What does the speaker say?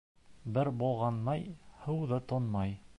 Бер болғанмай, һыу ҙа тонмай.